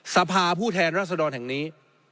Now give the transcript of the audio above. สรรพาห์ผู้แทนราษดรแห่งนี้